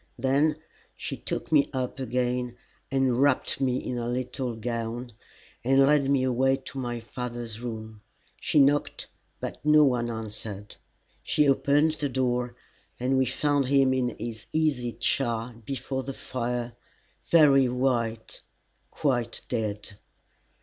Then she took me up again and wrapped me in a little gown, and led me away to my father's room. She knocked, but no one answered. She opened the door, and we found him in his easy chair before the fire, very white, quite dead.